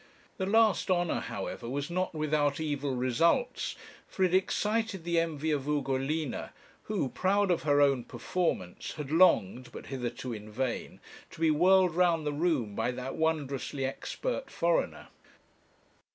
The last honour, however, was not without evil results, for it excited the envy of Ugolina, who, proud of her own performance, had longed, but hitherto in vain, to be whirled round the room by that wondrously expert foreigner.